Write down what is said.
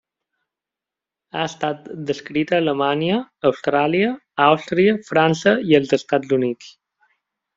Ha estat descrita a Alemanya, Austràlia, Àustria, França i els Estats Units.